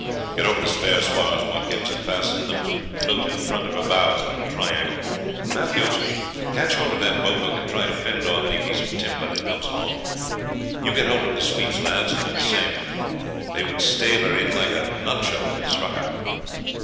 "Get over the spare spars, Watkins, and fasten them to float in front of her bows like a triangle. Matthews, catch hold of that boat hook and try to fend off any piece of timber that comes along. You get hold of the sweeps, lads, and do the same. They would stave her in like a nutshell if they struck her."